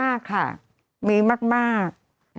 มากค่ะมีมาก